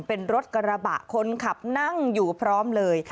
เป็นรถกระบะคนขับนั่งอยู่พร้อมเลย